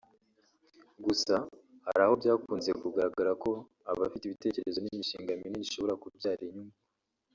Gusa hari aho byakunze kugaragara ko abafite ibitekerezo n’imishinga minini ishobora kubyara inyungu